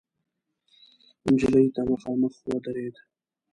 نجلۍ ته مخامخ ودرېد.